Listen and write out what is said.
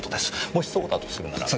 もしそうだとするならば。